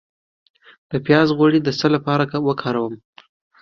د پیاز غوړي د څه لپاره وکاروم؟